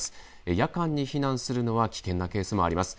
夜間に避難するのは危険なケースもあります。